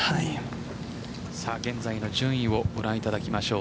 現在の順位をご覧いただきましょう。